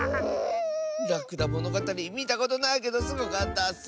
「らくだものがたり」みたことないけどすごかったッス。